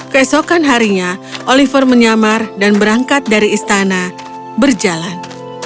keesokan harinya oliver menyamar dan berangkat dari istana berjalan